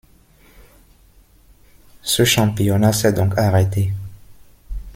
Ce championnat s'est donc arrêté.